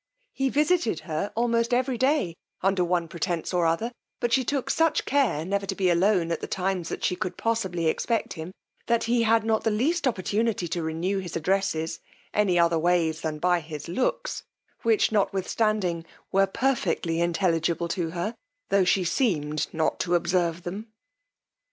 He visited her almost every day under one pretence or other; but she took such care never to be alone at the times that she could possibly expect him, that he had not the least opportunity to renew his addresses, any otherways than by his looks, which, notwithstanding, were perfectly intelligible to her, tho' she seemed not to observe them.